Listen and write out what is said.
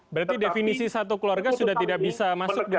berarti definisi satu keluarga sudah tidak bisa masuk ya